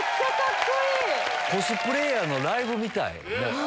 コスプレイヤーのライブみたい。